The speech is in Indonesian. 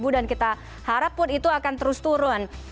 dan kita harap pun itu akan terus turun